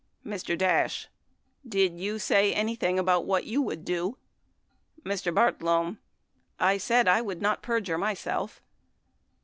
Mr. Dash. Did you say anything about what you would do ? Mr. Bartlome. I said I would not perjure myself.